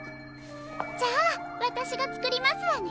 じゃあわたしがつくりますわね。